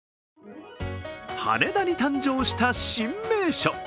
羽田に誕生した新名所。